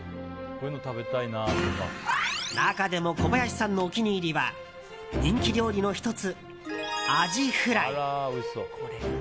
中でも小林さんのお気に入りは人気料理の１つ、アジフライ。